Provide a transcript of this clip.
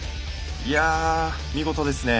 いやあ見事ですね。